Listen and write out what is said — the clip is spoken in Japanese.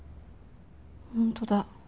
本当だ。